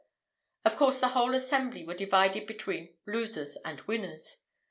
Of course, the whole assembly were divided between losers and winners.